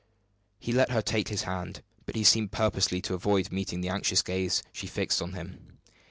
He let her take his hand, but he seemed purposely to avoid meeting the anxious gaze she fixed on him.